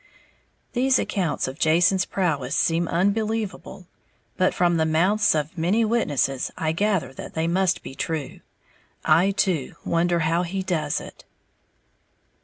These accounts of Jason's prowess seem unbelievable; but from the mouths of many witnesses I gather that they must be true. I, too, wonder how he does it.